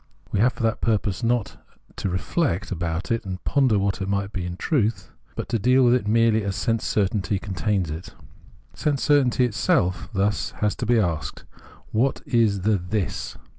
We have for that purpose not to Sense certainty 93 reflect about it and ponder what it might be in truth, but to deal with it merely as sense certainty contains it. Sense certainty itself has thus to be asked: What is the This